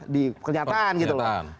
di pernyataan gitu loh